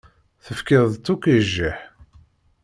Tefkiḍ-tt akk i jjiḥ.